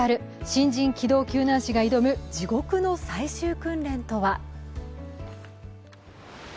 新人機動救難士が挑む地獄の最終訓練とは。